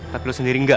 tapi lo sendiri enggak